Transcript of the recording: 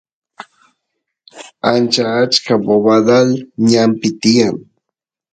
ancha achka bobadal ñanpi tiyan